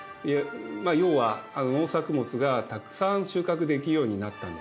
要は農作物がたくさん収穫できるようになったんですね。